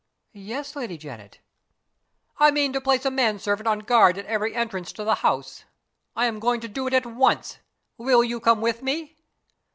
"Yes, Lady Janet." "I mean to place a man servant on guard at every entrance to the house. I am going to do it at once. Will you come with me?"